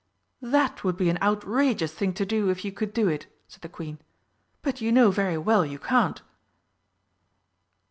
"That would be an outrageous thing to do, if you could do it," said the Queen, "but you know very well you can't!"